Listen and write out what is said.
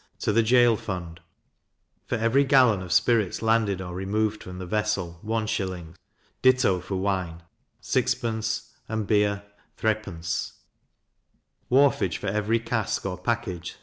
To the Gaol fund: For every gallon of spirits landed, or removed from the vessel, 1s.; ditto for wine 6d. and beer 3d. Wharfage for every cask or package 6d.